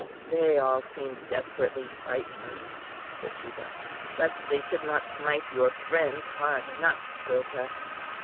"They all seem desperately frightened," said Juba, "lest they should not smite your friends hard enough, Gurta.